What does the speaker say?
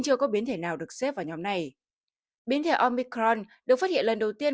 chưa có biến thể nào được xếp vào nhóm này biến thể omicron được phát hiện lần đầu tiên